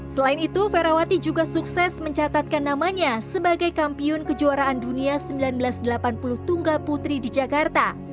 selain itu ferawati juga sukses mencatatkan namanya sebagai kampiun kejuaraan dunia seribu sembilan ratus delapan puluh tunggal putri di jakarta